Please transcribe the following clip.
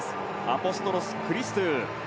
アポストロス・クリストゥ。